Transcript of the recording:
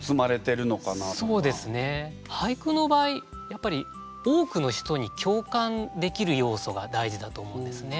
やっぱり多くの人に共感できる要素が大事だと思うんですね。